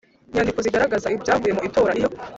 nyandiko zigaragaza ibyavuye mu itora iyo